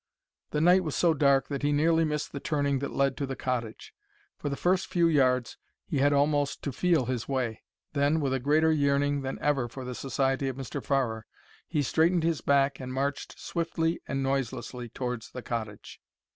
The night was so dark that he nearly missed the turning that led to the cottage. For the first few yards he had almost to feel his way; then, with a greater yearning than ever for the society of Mr. Farrer, he straightened his back and marched swiftly and noiselessly towards the cottage.